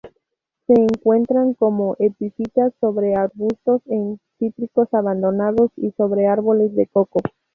Se encuentran como epífitas sobre arbustos, en cítricos abandonados, y sobre árboles del coco.